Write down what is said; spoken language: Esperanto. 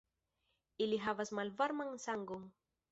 Ili havas malvarman sangon.